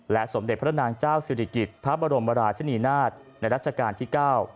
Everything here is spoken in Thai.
สมเด็จพระนางเจ้าศิริกิจพระบรมราชนีนาฏในรัชกาลที่๙